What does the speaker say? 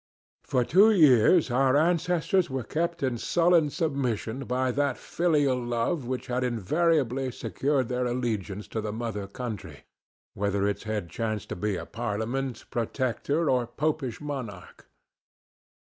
For two years our ancestors were kept in sullen submission by that filial love which had invariably secured their allegiance to the mother country, whether its head chanced to be a Parliament, Protector or popish monarch.